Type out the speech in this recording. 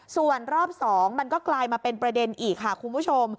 ส่วนรอบ๒มันก็กลายมาเป็นประเด็นอีกค่ะคุณผู้ชม